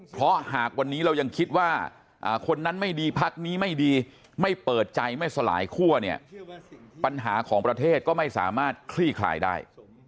เพราะหากวันนี้เรายังคิดว่าคนนั้นไม่ดีพักนี้ไม่ดีไม่เปิดใจไม่สลายคั่วเนี่ยปัญหาของประเทศก็ไม่สามารถคลี่คลายได้